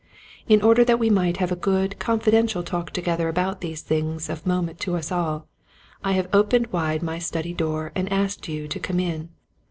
In order that we might have a good confidential talk to gether about these things of moment to us all, I have opened wide my study door and asked you to come in.